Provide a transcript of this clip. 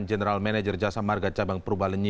general manager jasa marga cabang purbalenyi